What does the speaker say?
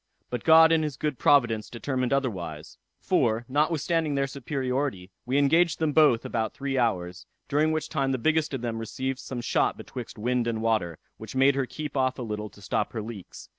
But God in his good providence determined otherwise; for, notwithstanding their superiority, we engaged them both about three hours; during which time the biggest of them received some shot betwixt wind and water, which made her keep off a little to stop her leaks.